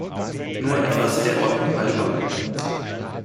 Nur etwas der Ordnung halber.